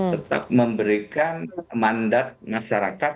tetap memberikan mandat masyarakat